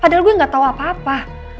padahal gue nggak tahu apa apa